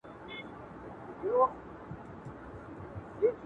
خو حقيقت نه بدل کيږي تل,